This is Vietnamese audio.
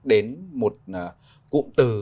đến một cụm từ